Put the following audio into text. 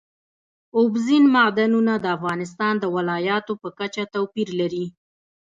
اوبزین معدنونه د افغانستان د ولایاتو په کچه توپیر لري.